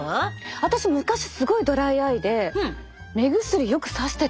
私昔すごいドライアイで目薬よくさしてた。